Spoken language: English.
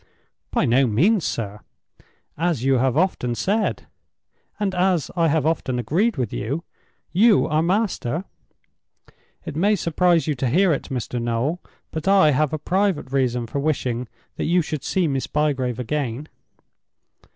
"By no means, sir. As you have often said (and as I have often agreed with you), you are master. It may surprise you to hear it, Mr. Noel, but I have a private reason for wishing that you should see Miss Bygrave again."